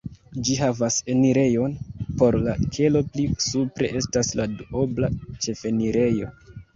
Ĝi havas enirejon por la kelo, pli supre estas la duobla ĉefenirejo.